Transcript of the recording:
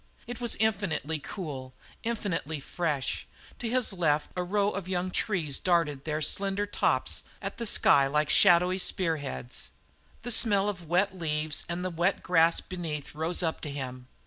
It was infinitely cool, infinitely fresh. To his left a row of young trees darted their slender tops at the sky like shadowy spearheads. The smell of wet leaves and the wet grass beneath rose up to him.